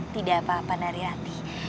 tidak apa apa nari hati